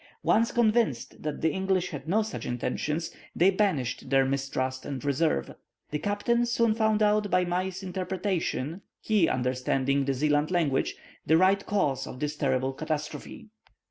Once convinced that the English had no such intention, they banished their mistrust and reserve. The captain soon found out by Mai's interpretation (he understanding the Zealand tongue) the right cause of this terrible catastrophe.